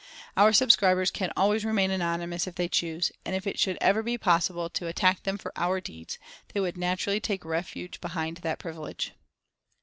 Our subscribers can always remain anonymous if they choose, and if it should ever be possible to attack them for our deeds, they would naturally take refuge behind that privilege.